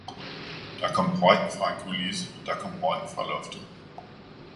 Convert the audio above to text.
der kom røg fra en kulisse, der kom røg fra loftet.